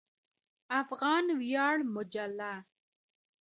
افغان ویاړ مجله